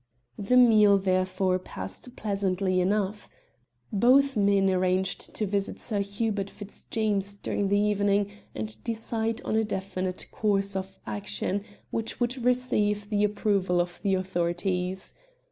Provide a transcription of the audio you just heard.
The meal, therefore, passed pleasantly enough. Both men arranged to visit Sir Hubert Fitzjames during the evening and decide on a definite course of action which would receive the approval of the authorities.